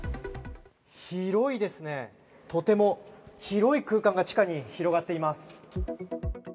広いですね、とても広い空間が地下に広がっています。